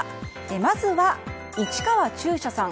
まずは市川團子さん。